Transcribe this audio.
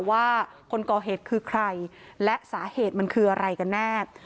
ว่าคนก่อเหตุคือใครและสาเหตุมันคืออะไรกันแน่